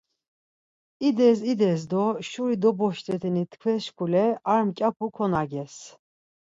İdes ides do şuri doboşletinit tkves şkule ar mǩyapu konages.